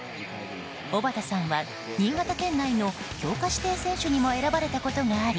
おばたさんは新潟県内の強化指定選手にも選ばれたことがあり